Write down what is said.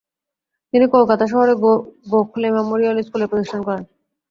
তিনি কলকাতা শহরে গোখলে মেমোরিয়াল স্কুলের প্রতিষ্ঠা করেন।